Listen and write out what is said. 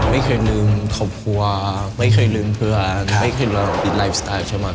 ไม่เคยลืมครอบครัวไม่เคยลืมเพื่อไม่เคยไลฟ์สไตล์ใช่ไหม